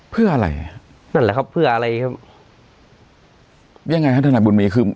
เพื่ออะไรนั่นแหละครับเพื่ออะไรครับยังไงฮะทนายบุญมีคือ